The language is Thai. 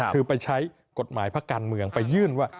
คือไปใช้กฎหมายพักการเมืองไปยื่นว่า